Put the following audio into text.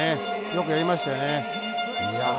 よくやりましたよね。